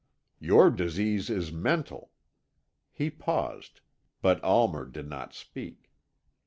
"Your disease is mental." He paused, but Almer did not speak.